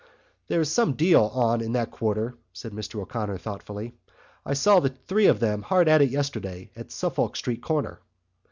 "There's some deal on in that quarter," said Mr O'Connor thoughtfully. "I saw the three of them hard at it yesterday at Suffolk Street corner."